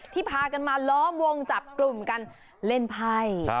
พากันมาล้อมวงจับกลุ่มกันเล่นไพ่